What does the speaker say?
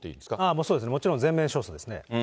もうそうですね、もちろん全面勝訴ですね。